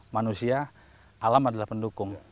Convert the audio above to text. manusia alam adalah pendukung